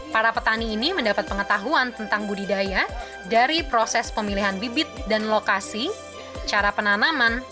para petani ini mendapat pengetahuan tentang budidaya dari proses pemilihan bibit dan lokasi cara penanaman